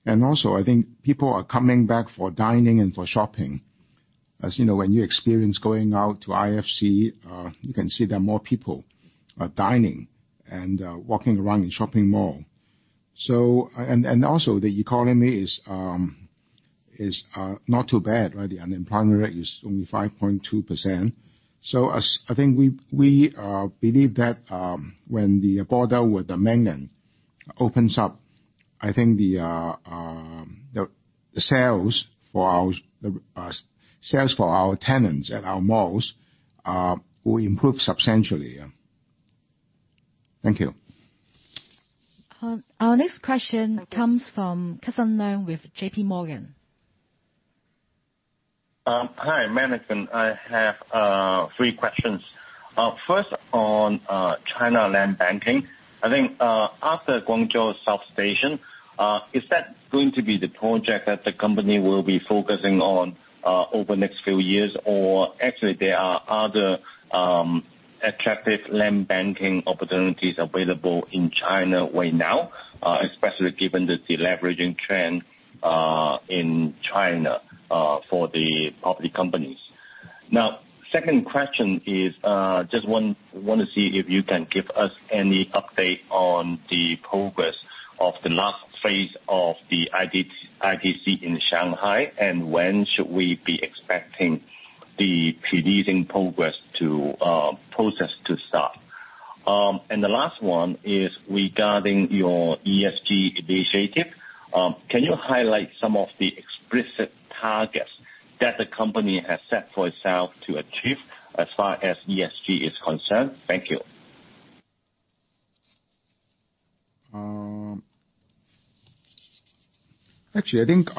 I think people are coming back for dining and for shopping. As you know, when you experience going out to IFC, you can see there are more people are dining and walking around in shopping mall. The economy is not too bad, right? The unemployment rate is only 5.2%. I think we believe that when the border with the Mainland opens up, I think the sales for our tenants at our malls will improve substantially. Thank you. Our next question comes from Cusson Leung with JPMorgan. Hi, management. I have three questions. First on China land banking. I think after Guangzhou South Station, is that going to be the project that the company will be focusing on over the next few years? Actually there are other attractive land banking opportunities available in China right now, especially given the deleveraging trend in China for the public companies. Second question is, just want to see if you can give us any update on the progress of the last phase of the ITC in Shanghai, and when should we be expecting the pre-leasing progress to process to start? The last one is regarding your ESG initiative. Can you highlight some of the explicit targets that the company has set for itself to achieve as far as ESG is concerned? Thank you. Actually, I think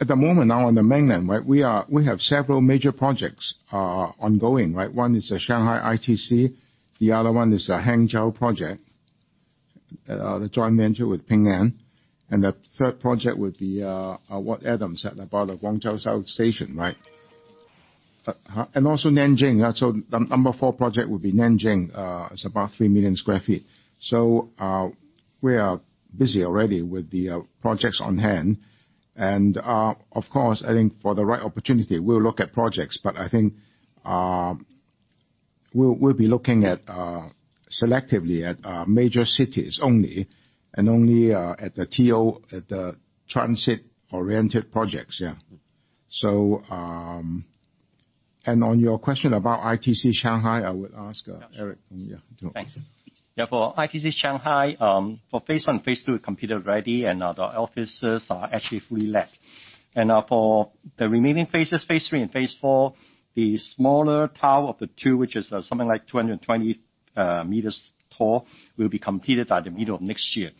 at the moment now on the mainland, right, we have several major projects ongoing, right? One is the Shanghai IFC. The other one is the Hangzhou project, the joint venture with Ping An. The third project would be what Adam said about the Guangzhou South Station, right? Also Nanjing. Number four project would be Nanjing. It's about three million sq ft. We are busy already with the projects on hand. Of course, I think for the right opportunity, we will look at projects. I think we will be looking selectively at major cities only and only at the transit-oriented projects, yeah. On your question about IFC Shanghai, I would ask Eric. Yeah, go. Thank you. For ITC Shanghai, for phase I, phase II completed already, the offices are actually fully let. For the remaining phases, phase III and phase IV, the smaller tower of the two, which is something like 220 meters tall, will be completed by the middle of next year.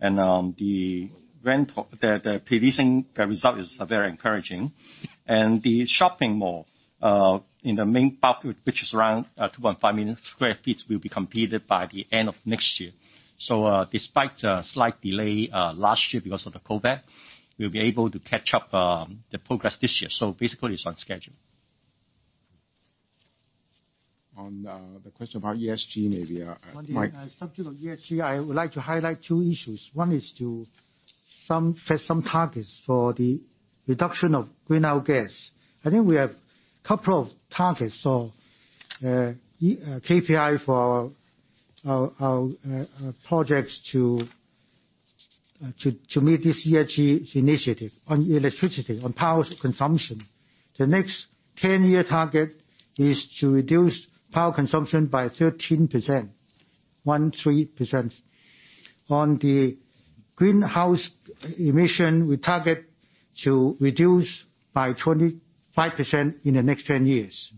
The pre-leasing result is very encouraging. The shopping mall in the main park, which is around 2.5 million sq ft, will be completed by the end of next year. Despite a slight delay last year because of the COVID, we'll be able to catch up the progress this year. Basically, it's on schedule. On the question about ESG, maybe Mike. On the subject of ESG, I would like to highlight two issues. One is to set some targets for the reduction of greenhouse gas. I think we have couple of targets or KPI for our projects to meet this ESG initiative on electricity, on power consumption. The next 10-year target is to reduce power consumption by 13%, one three percent. On the greenhouse emission, we target to reduce by 25% in the next 10 years.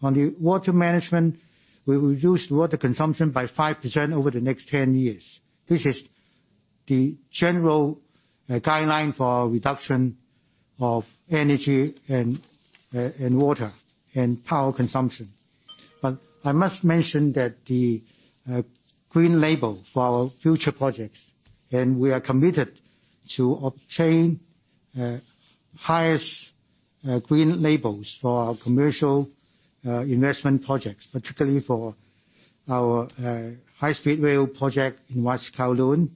On the water management, we will reduce water consumption by 5% over the next 10 years. The general guideline for reduction of energy and water and power consumption. I must mention that the green label for our future projects, and we are committed to obtain highest green labels for our commercial investment projects, particularly for our high-speed rail project in West Kowloon,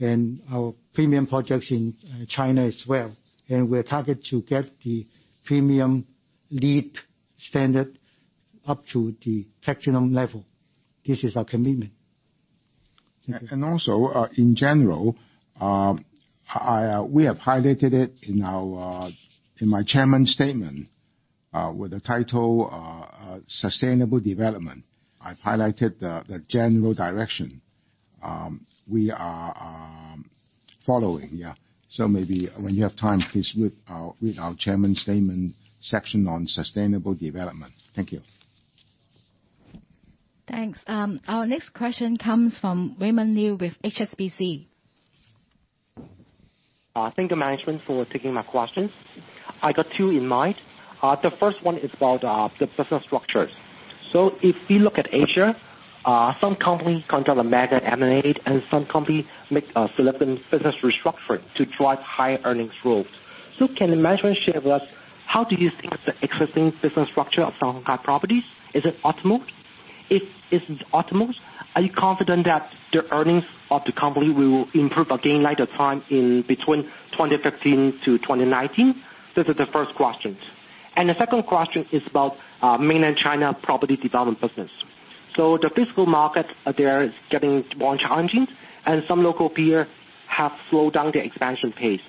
and our premium projects in China as well. We are target to get the premium LEED standard up to the Platinum level. This is our commitment. Also, in general, we have highlighted it in my chairman statement with the title, "Sustainable Development." I've highlighted the general direction we are following. Yeah. Maybe when you have time, please read our chairman statement section on sustainable development. Thank you. Thanks. Our next question comes from Raymond Liu with HSBC. Thank you, management, for taking my questions. I got two in mind. The first one is about the business structures. If you look at Asia, some company conduct a mega M&A, and some company make a selective business restructuring to drive higher earnings growth. Can the management share with us, how do you think the existing business structure of Sun Hung Kai Properties, is it optimal? If it's optimal, are you confident that the earnings of the company will improve again like the time in between 2015 to 2019? This is the first question. The second question is about Mainland China property development business. The physical market out there is getting more challenging, and some local peer have slowed down their expansion pace.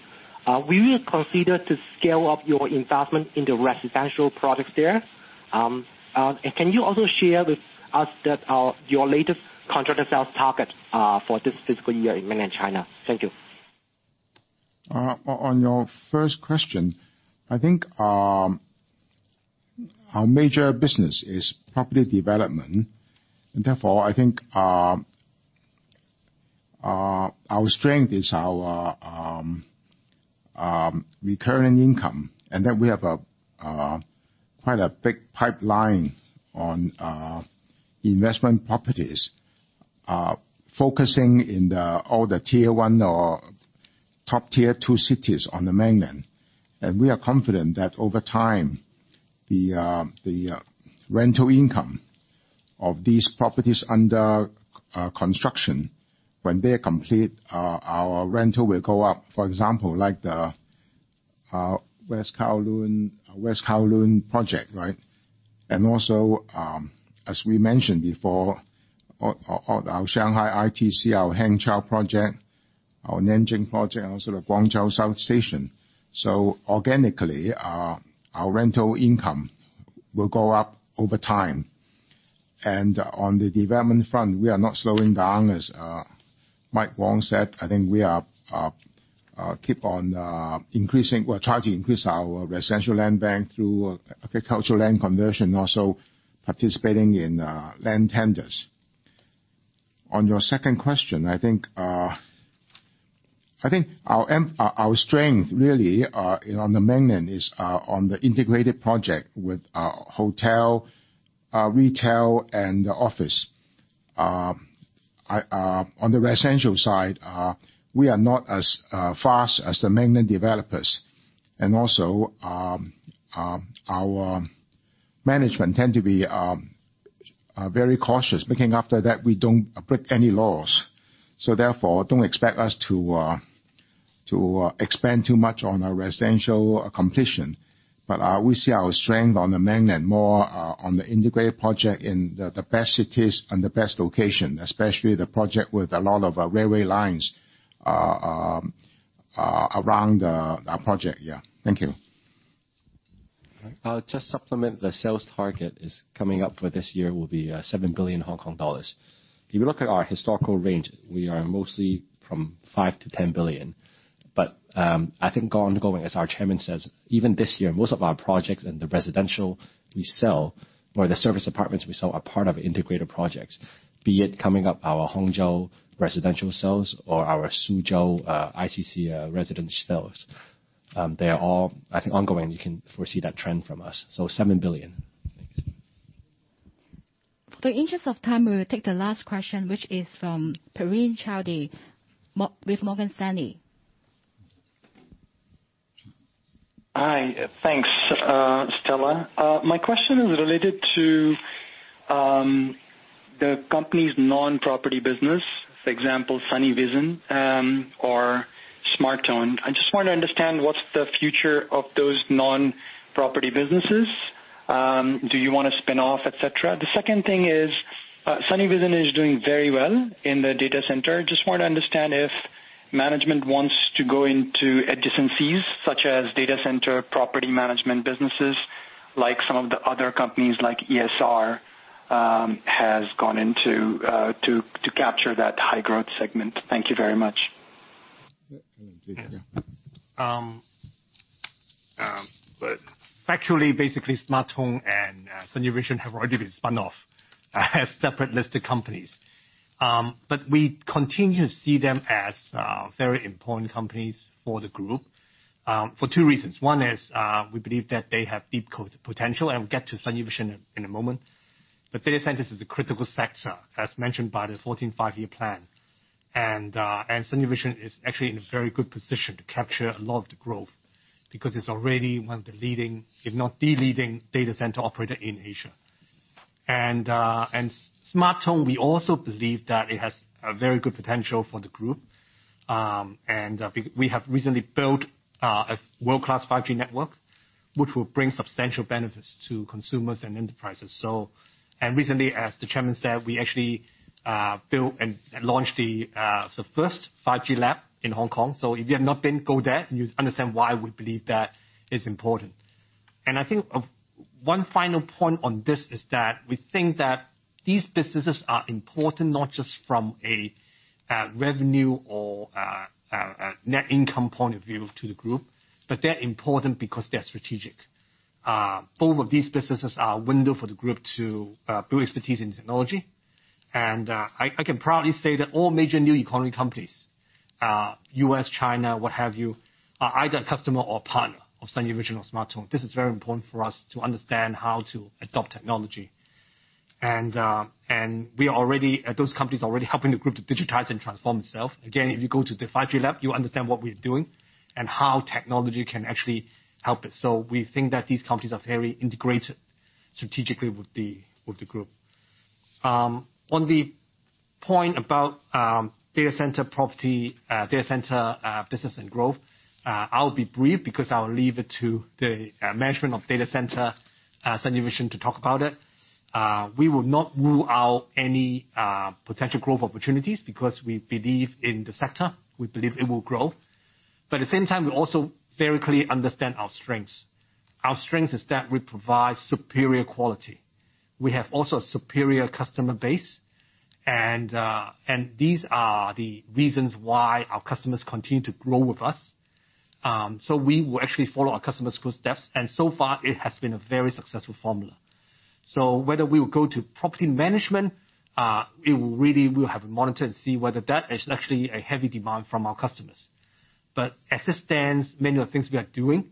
Will you consider to scale up your investment in the residential products there? Can you also share with us your latest contracted sales target for this fiscal year in Mainland China? Thank you. On your first question, I think our major business is property development, therefore, I think our strength is our recurring income. That we have quite a big pipeline on investment properties, focusing in all the tier 1 or top tier 2 cities on the mainland. We are confident that over time, the rental income of these properties under construction, when they are complete, our rental will go up. For example, like the West Kowloon project. Also, as we mentioned before, our Shanghai ITC, our Hangzhou project, our Nanjing project, and also the Guangzhou South Station. Organically, our rental income will go up over time. On the development front, we are not slowing down. As Mike Wong said, I think we are trying to increase our residential land bank through agricultural land conversion, also participating in land tenders. On your second question, I think our strength really on the Mainland is on the integrated project with hotel, retail, and office. On the residential side, we are not as fast as the Mainland developers. Our management tend to be very cautious, making after that we don't break any laws. Therefore, don't expect us to expand too much on our residential completion. We see our strength on the Mainland more on the integrated project in the best cities and the best location, especially the project with a lot of railway lines around our project. Yeah. Thank you. Just supplement, the sales target is coming up for this year will be 7 billion Hong Kong dollars. If you look at our historical range, we are mostly from 5 billion-10 billion. I think ongoing, as our Chairman says, even this year, most of our projects in the residential we sell, or the service apartments we sell, are part of integrated projects. Be it coming up our Hangzhou residential sales or our Suzhou ICC residential sales. They are all, I think, ongoing. You can foresee that trend from us. 7 billion. For the interest of time, we will take the last question, which is from Praveen Choudhary with Morgan Stanley. Hi. Thanks, Stella. My question is related to the company's non-property business, for example, SUNeVision or SmarTone. I just want to understand what's the future of those non-property businesses. Do you want to spin off, et cetera? The second thing is, SUNeVision is doing very well in the data center. Just want to understand if management wants to go into adjacencies such as data center, property management businesses, like some of the other companies like ESR has gone into to capture that high growth segment. Thank you very much. Allen, please. Yeah. Factually, basically SmarTone and SUNeVision have already been spun off as separate listed companies. We continue to see them as very important companies for the group, for two reasons. One is, we believe that they have deep potential, and we'll get to SUNeVision in a moment. Data centers is a critical sector, as mentioned by the 14th Five-Year Plan, and SUNeVision is actually in a very good position to capture a lot of the growth because it's already one of the leading, if not the leading data center operator in Asia. SmarTone, we also believe that it has a very good potential for the group, and we have recently built a world-class 5G network which will bring substantial benefits to consumers and enterprises. Recently, as the chairman said, we actually built and launched the first 5G lab in Hong Kong. If you have not been, go there and you'll understand why we believe that is important. I think one final point on this is that we think that these businesses are important not just from a revenue or a net income point of view to the group, but they're important because they're strategic. Both of these businesses are a window for the group to build expertise in technology. I can proudly say that all major new economy companies, U.S., China, what have you, are either a customer or partner of SUNeVision or SmarTone. This is very important for us to understand how to adopt technology. Those companies are already helping the group to digitize and transform itself. Again, if you go to the 5G lab, you understand what we're doing and how technology can actually help it. We think that these companies are very integrated strategically with the group. On the point about data center business and growth, I'll be brief because I'll leave it to the management of data center, SUNeVision, to talk about it. We will not rule out any potential growth opportunities because we believe in the sector. We believe it will grow. At the same time, we also very clearly understand our strengths. Our strength is that we provide superior quality. We have also a superior customer base, and these are the reasons why our customers continue to grow with us. We will actually follow our customers' footsteps, and so far it has been a very successful formula. Whether we will go to property management, we really will have to monitor and see whether that is actually a heavy demand from our customers. As it stands, many of the things we are doing,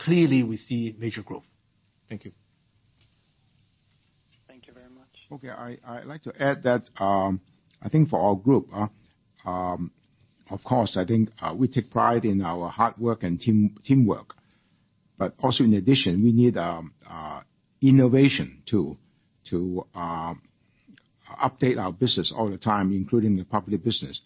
clearly we see major growth. Thank you. Thank you very much. Okay. I'd like to add that I think for our group, of course, I think we take pride in our hard work and teamwork. Also in addition, we need innovation to update our business all the time, including the property business.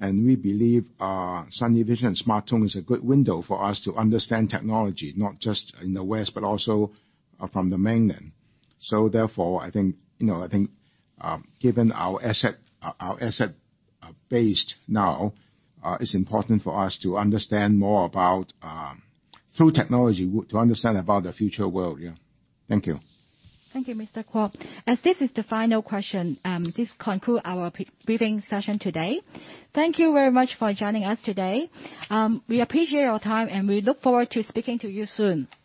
We believe SUNeVision and SmarTone is a good window for us to understand technology, not just in the West, but also from the Mainland. Therefore, I think given our asset base now, it's important for us to understand more about, through technology, to understand about the future world. Yeah. Thank you. Thank you, Mr. Kwok. As this is the final question, this concludes our briefing session today. Thank you very much for joining us today. We appreciate your time, and we look forward to speaking to you soon.